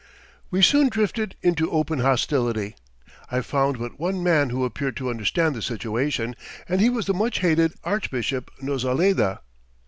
"We soon drifted into open hostility. I found but one man who appeared to understand the situation, and he was the much hated Archbishop Nozaleda.